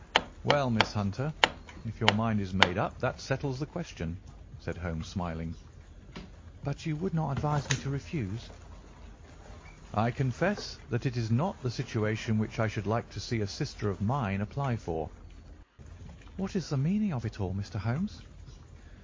"Well, Miss Hunter, if your mind is made up, that settles the question," said Holmes, smiling. "But you would not advise me to refuse?" "I confess that it is not the situation which I should like to see a sister of mine apply for." "What is the meaning of it all, Mr. Holmes?"